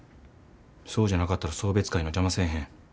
そうじゃなかったら送別会の邪魔せえへん。